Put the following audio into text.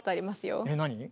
えっ何？